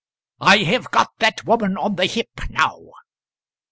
] "I have got that woman on the hip now."